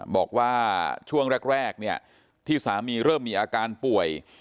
บอกว่าช่วงแรกเนี่ยที่สามีเริ่มมีอาการป่วย